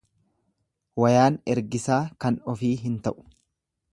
Wayaan ergisaa kan ofi hin ta'u.